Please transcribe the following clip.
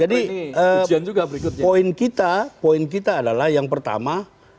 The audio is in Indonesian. jadi poin kita adalah yang pertama